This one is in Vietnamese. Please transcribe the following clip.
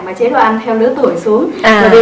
mà chế độ ăn theo lứa tuổi xuống